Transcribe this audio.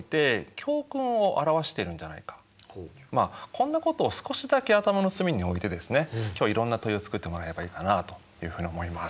こんなことを少しだけ頭の隅に置いてですね今日はいろんな問いを作ってもらえばいいかなというふうに思います。